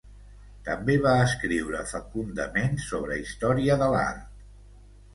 També va escriure fecundament sobre Història de l'art.